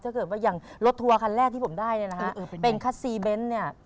ถ้าเกิดว่าอย่างรถทัวร์คันแรกที่ผมได้เนี่ยนะฮะเป็นคัสซีเบนท์เนี่ย